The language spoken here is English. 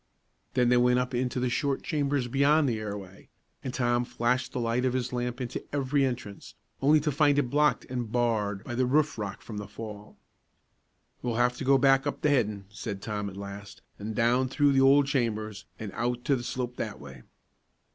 Then they went up into the short chambers beyond the airway, and Tom flashed the light of his lamp into every entrance, only to find it blocked and barred by the roof rock from the fall. "We'll have to go back up the headin'," said Tom, at last, "an' down through the old chambers, an' out to the slope that way."